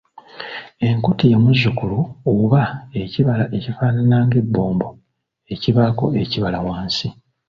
Enkuti ye muzzukulu oba ekibala ekifaanana nga ebbombo ekibaako ekibala wansi.